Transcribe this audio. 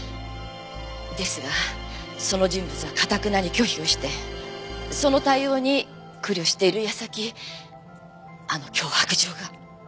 ですがその人物は頑なに拒否をしてその対応に苦慮している矢先あの脅迫状が。